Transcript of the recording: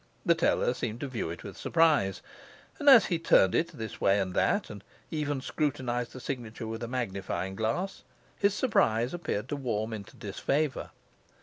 The teller seemed to view it with surprise; and as he turned it this way and that, and even scrutinized the signature with a magnifying glass, his surprise appeared to warm into disfavour.